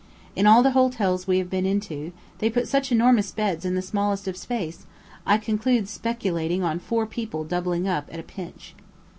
In all the hotels we have been into, they put such enormous beds in the smallest of space, I conclude speculating on four people doubling up at a pinch.